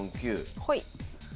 はい。